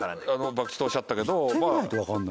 博打とおっしゃったけど。